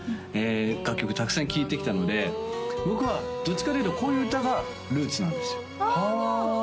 楽曲たくさん聴いてきたので僕はどっちかというとこういう歌がルーツなんですよああ